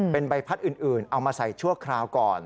เป็นใบพัดอื่นเอามาใส่ชั่วคราวก่อน